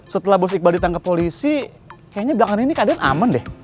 setelah bos iqbal ditangkap polisi kayaknya belakangan ini keadaan aman deh